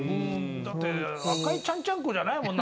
だって赤いちゃんちゃんこじゃないもん。